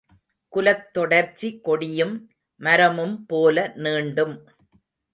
குலத்தொடர்ச்சி கொடியும் மரமும்போல நீண்டும்